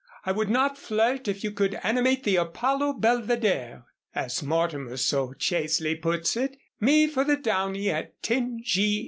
I would not flirt if you could animate the Apollo Belvedere. As Mortimer so chastely puts it, 'me for the downy at 10 G. M.'